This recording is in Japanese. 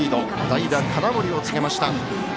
代打、金森を告げました。